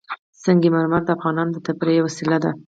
سنگ مرمر د افغانانو د تفریح یوه وسیله ده.